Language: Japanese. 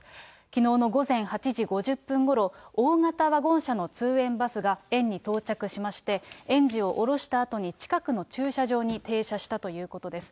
きのうの午前８時５０分ごろ、大型ワゴン車の通園バスが園に到着しまして、園児を降ろしたあとに近くの駐車場に停車したということです。